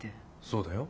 そうだよ。